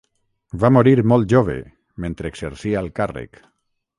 Va morir molt jove, mentre exercia el càrrec.